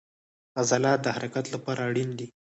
عضلات د حرکت لپاره اړین دي